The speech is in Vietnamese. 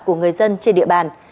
của người dân trên địa bàn